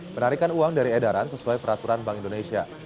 penarikan uang dari edaran sesuai peraturan bank indonesia